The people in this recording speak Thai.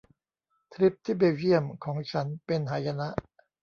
ทริปที่เบลเยี่ยมของฉันเป็นหายนะ